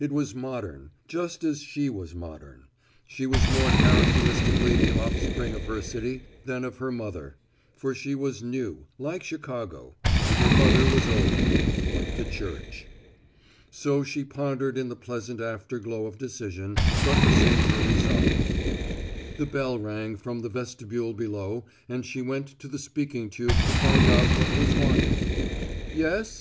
It was modern, just as she was modern. She was more characteristically the offspring of her city than of her mother. For she was new, like Chicago; and her mother was old, like the Church. So she pondered in the pleasant after glow of decision, buttressing her resolve. The bell rang from the vestibule below and she went to the speaking tube to find out what was wanted. "Yes?"